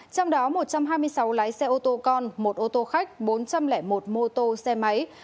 trong đó một trăm hai mươi sáu lái xe ô tô con một ô tô khách bốn trăm linh một máy